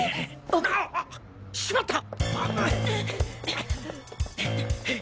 あっ！しまった！